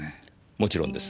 もちろんです。